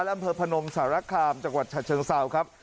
อำเภอพนมสารคามจังหวัดฉะเชิงเซาครับ